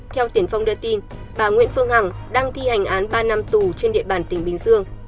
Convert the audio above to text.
theo tiền phong đưa tin bà nguyễn phương hằng đang thi hành án ba năm tù trên địa bàn tỉnh bình dương